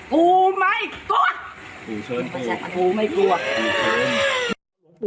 ปู่ไม่กลัว